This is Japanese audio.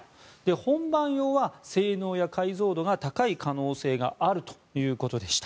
本番用は性能や解像度が高い可能性があるということでした。